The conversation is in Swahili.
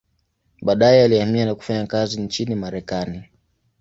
Baadaye alihamia na kufanya kazi nchini Marekani.